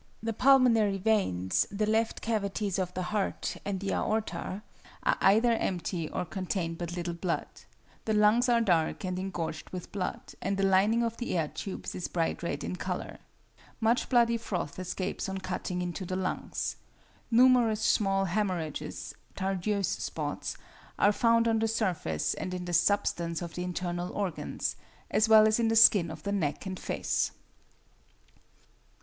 The pulmonary veins, the left cavities of the heart, and the aorta, are either empty or contain but little blood. The lungs are dark and engorged with blood, and the lining of the air tubes is bright red in colour. Much bloody froth escapes on cutting into the lungs. Numerous small hæmorrhages (Tardieu's spots) are found on the surface and in the substance of the internal organs, as well as in the skin of the neck and face.